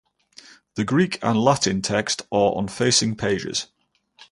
The Greek and Latin text are on facing pages.